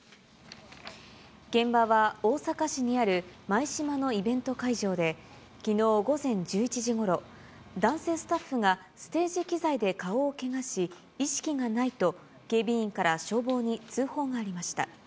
現場は大阪市にある舞洲のイベント会場で、きのう午前１１時ごろ、男性スタッフがステージ機材で顔をけがし、意識がないと、警備員から消防に通報がありました。